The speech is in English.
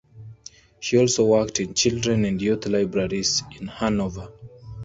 She also worked in children and youth libraries in Hanover.